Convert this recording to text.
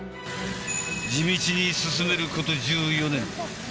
地道に進めること１４年。